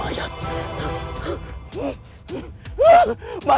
dari mana saja